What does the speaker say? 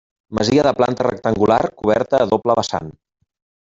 Masia de planta rectangular, coberta a doble vessant.